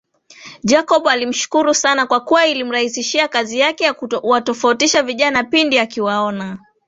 Jacob alimshukuru sana kwa kuwa ilimrahisishia kazi yake ya kuwatofautisha vijana pindi akiwaona